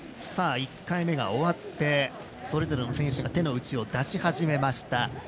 １回目が終わってそれぞれの選手が手の内を出し始めました。